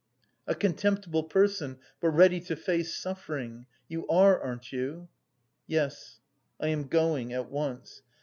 "A contemptible person, but ready to face suffering! You are, aren't you?" "Yes, I am going. At once.